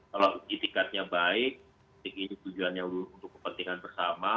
kalau itikatnya baik ini tujuannya untuk kepentingan bersama